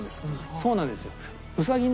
そうなんですよ。